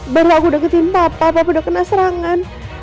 baru aku udah ngetik papa papa udah kena serangan